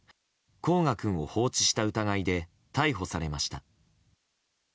煌翔君を放置した疑いで逮捕されました。